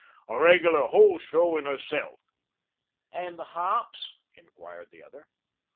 A regular whole show in herself." "And the hops?" inquired the other.